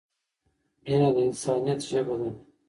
مینه د انسانیت ژبه ده.